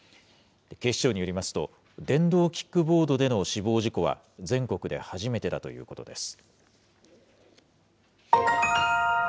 警視庁によりますと、電動キックボードでの死亡事故は、全国で初めてだということです。